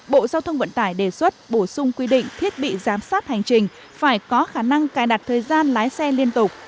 bộ giao thông vận tải đề xuất bổ sung quy định thiết bị giám sát hành trình phải có khả năng cài đặt thời gian lái xe liên tục